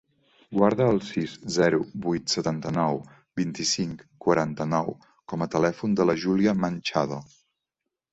Guarda el sis, zero, vuit, setanta-nou, vint-i-cinc, quaranta-nou com a telèfon de la Júlia Manchado.